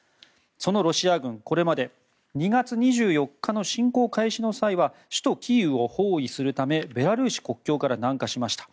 そのロシア軍、これまで２月２４日の侵攻開始の際は首都キーウを包囲するためベラルーシ国境から南下しました。